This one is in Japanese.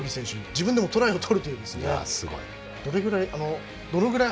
自分でトライを取ると。